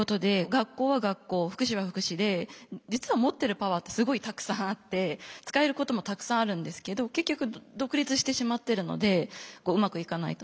学校は学校福祉は福祉で実は持ってるパワーってすごいたくさんあって使えることもたくさんあるんですけど結局独立してしまっているのでうまくいかない。